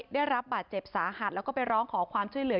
ได้รับบาดเจ็บสาหัสแล้วก็ไปร้องขอความช่วยเหลือ